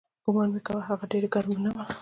ګومان مې کاوه هغه ډېره ګرمه نه وه.